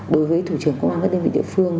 đối với thủ trưởng công an các đơn vị địa phương